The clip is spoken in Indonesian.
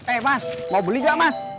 eh mas mau beli gak mas